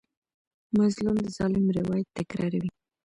مظلوم د ظالم روایت تکراروي.